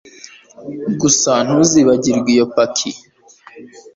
Gusa ntuzibagirwe iyo paki